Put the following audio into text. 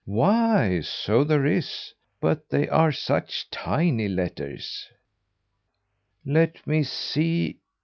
"Why, so there is! but they are such tiny letters." "Let me see!